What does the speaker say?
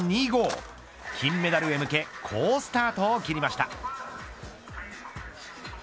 金メダル向け好スタートを切りました。